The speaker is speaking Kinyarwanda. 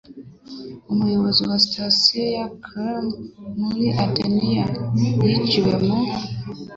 umuyobozi wa sitasiyo ya CIA muri Atenayi, yiciwe mu